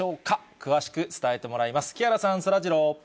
詳しく伝えてもらいます。